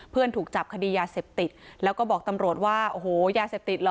ถูกจับคดียาเสพติดแล้วก็บอกตำรวจว่าโอ้โหยาเสพติดเหรอ